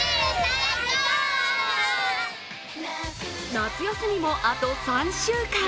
夏休みもあと３週間。